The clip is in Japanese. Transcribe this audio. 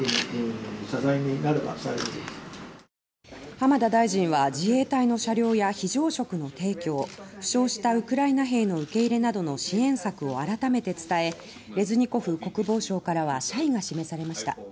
浜田大臣は自衛隊の車両や非常食の提供負傷したウクライナ兵の受け入れなどの支援策を改めて伝えレズニコフ国防相からは謝意が示されました。